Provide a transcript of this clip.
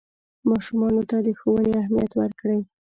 ماشومانو ته د ښوونې اهمیت ورکړئ.